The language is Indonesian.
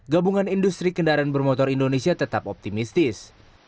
gabungan industri kendaraan bermotor indonesia tetap optimistis